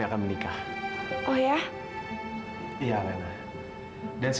sekarang penghari elsa photo sedang mobil lasi